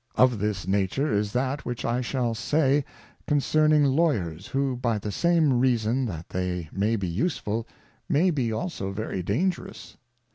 Of this nature is that which I shall say concerning Lawyers, who, by the same Reason that they may be useful, may be also very dangerous.